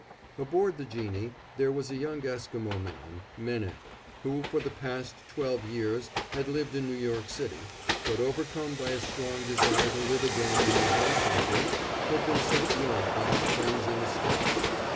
Aboard the Jeanie, there was a young Esquimo man, Mene, who for the past twelve years had lived in New York City, but, overcome by a strong desire to live again in his own country, had been sent north by his friends in the States.